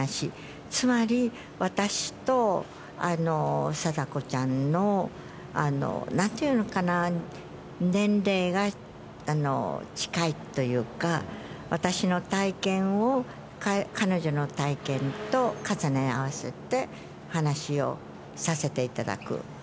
つまり、私とさだこちゃんの、なんていうのかな、年齢が近いというか、私の体験を、彼女の体験と重ね合わせて、話をさせていただく。